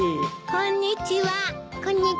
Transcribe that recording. こんにちはです。